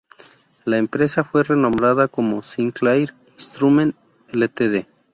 La empresa fue renombrada como Sinclair Instrument Ltd.